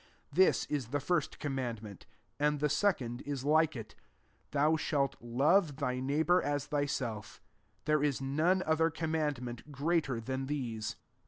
This is the first commandment. 31 And the second is like it, *Thou shalt love thy neigh« hour as thyself!' There is none other commandment greater than these."